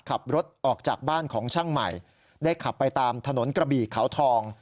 ขับรถออกจากบ้านของช่างใหม่ได้ขับไปตามถนนกระบี่เขาทอง